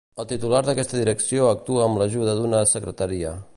El titular d'aquesta direcció actua amb l'ajuda d'una Secretaria.